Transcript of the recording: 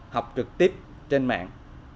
học trực tiếp trên mạng